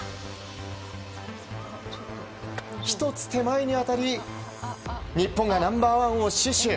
１つ手前に当たり日本がナンバーワンを死守。